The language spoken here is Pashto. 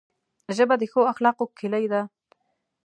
ژبه د ښو اخلاقو کلۍ ده